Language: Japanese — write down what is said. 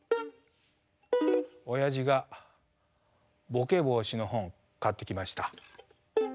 おやじがボケ防止の本買ってきました。